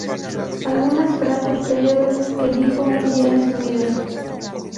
Algunas Frases Celebres que dijo un día en su vida.